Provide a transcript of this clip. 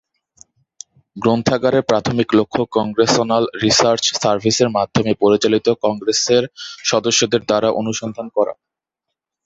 গ্রন্থাগারের প্রাথমিক লক্ষ্য কংগ্রেসনাল রিসার্চ সার্ভিসের মাধ্যমে পরিচালিত কংগ্রেসের সদস্যদের দ্বারা অনুসন্ধান করা।